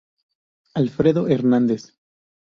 Alfredo Hernández